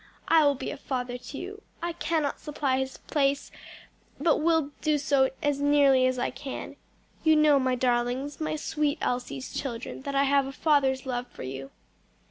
I will be a father to you. I cannot supply his place, but will do so as nearly as I can. You know, my darlings, my sweet Elsie's children, that I have a father's love for you."